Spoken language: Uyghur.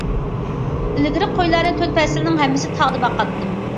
ئىلگىرى قويلارنى تۆت پەسىلنىڭ ھەممىسىدە تاغدا باقاتتىم.